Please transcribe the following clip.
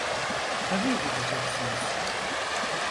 Tabii gideceksiniz…